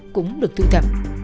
cũng được thu thập